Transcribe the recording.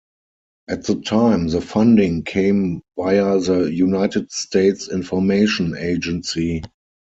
At the time the funding came via the United States Information Agency.